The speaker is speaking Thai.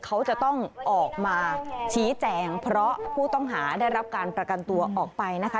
เขาจะต้องออกมาชี้แจงเพราะผู้ต้องหาได้รับการประกันตัวออกไปนะคะ